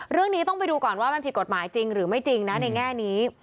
เรื่องนี้ต้องไปดูก่อนว่ามันผิดกฎหมายจริงหรือไม่จริงนะในแง่นี้